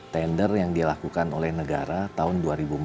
tender yang dilakukan oleh negara tahun dua ribu empat belas